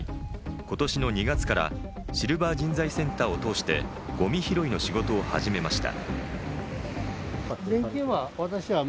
今年の２月からシルバー人材センターを通して、ゴミ拾いの仕事を始めました。